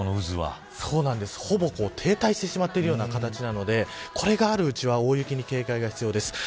ほぼ停滞してしまっているような形ですので、これがあるうちは大雪に警戒が必要です。